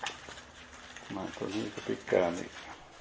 หลังจากนี้ก็ไปการอีก